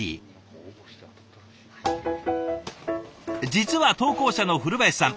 実は投稿者の古林さん